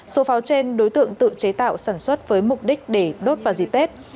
số pháo trên đối tượng tự chế tạo sản xuất với mục đích để đốt vào dịp tết